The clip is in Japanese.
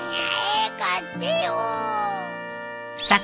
ええ買ってよ。